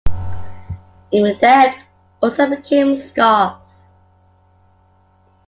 Even that also became scarce.